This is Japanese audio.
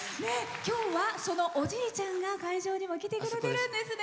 今日はそのおじいちゃんが会場にも来てくれてるんですね。